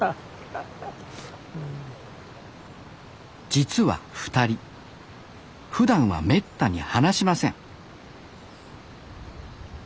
実は２人ふだんはめったに話しません